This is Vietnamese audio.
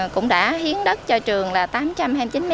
cũng đã hiến đất cho trường là tám trăm hai mươi chín m hai